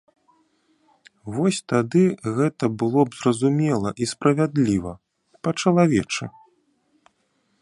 Вось тады гэта было б зразумела і справядліва, па-чалавечы.